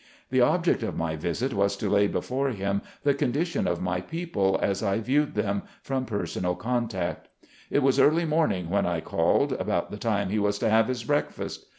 The object of my visit was to lay before him the condition of my people as I viewed them, from per sonal contact. It was early morning when I called, about the time he was to have his breakfast.